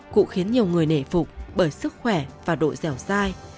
cũng khiến nhiều người nể phục bởi sức khỏe và độ dẻo dai